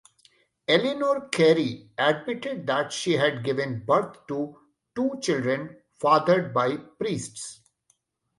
Eleanor Carey admitted that she had given birth to two children fathered by priests.